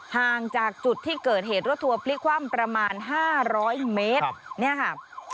ห่างจากจุดที่เกิดเหตุรถทัวร์พลิกคว่ำประมาณ๕๐๐เมตรเนี่ยค่ะ